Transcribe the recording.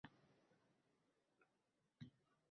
Tag‘in qo‘zichoq gulni yeb qo‘ygan bo‘lsa-ya?